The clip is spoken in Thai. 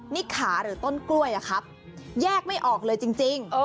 นี่ขาหรือต้นกล้วยอะครับแยกไม่ออกเลยจริง